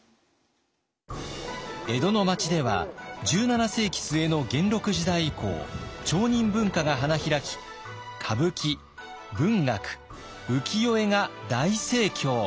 江戸の町では１７世紀末の元禄時代以降町人文化が花開き歌舞伎文学浮世絵が大盛況。